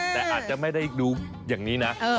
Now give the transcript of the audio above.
แต่อาจจะไม่ได้ดูอย่างนี้นะ